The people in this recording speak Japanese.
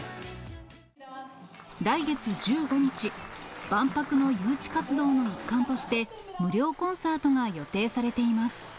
来月１５日、万博の誘致活動の一環として、無料コンサートが予定されています。